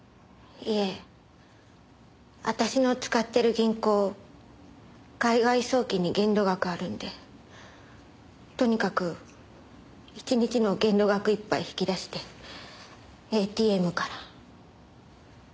いえ私の使ってる銀行海外送金に限度額あるんでとにかく１日の限度額いっぱい引き出してＡＴＭから。